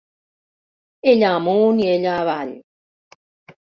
Ella amunt i ella avall.